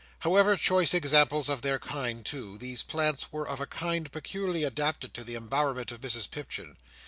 However choice examples of their kind, too, these plants were of a kind peculiarly adapted to the embowerment of Mrs Pipchin.